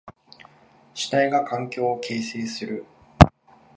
主体が環境を形成する。